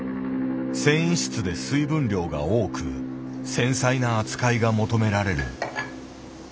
繊維質で水分量が多く繊細な扱いが求められる。